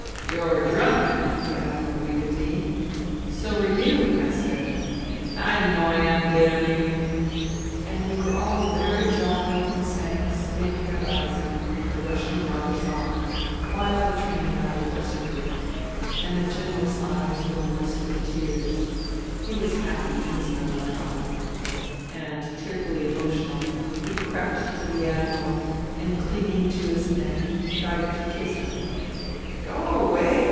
" You're drunk," the Admiral greeted me. " And so are you," I said. " I know I am, damn you !" And we were all very jolly and sang " Stenka Bazin, the Russian robber song, while the train rattled westward. And the General's eyes were moist with tears : he was happy in his melancholy. And, tearfully emotional, he crept to the Admiral, and clinging to his neck tried to kiss him. " Go away